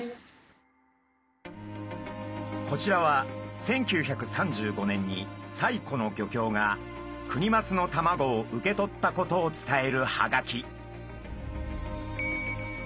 こちらは１９３５年に西湖の漁協がクニマスの卵を受け取ったことを伝えるハガキ。